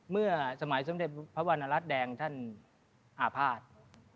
เมื่อสมัยสมเด็จพระวรรณรัฐแดงท่านอาภาษณ์